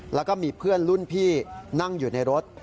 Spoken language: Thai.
แล้วก็มีเพื่อนรุ่นพี่นั่งอยู่ในรถ